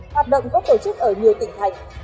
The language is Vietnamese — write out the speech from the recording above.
hoạt động góp tổ chức ở nhiều tỉnh thành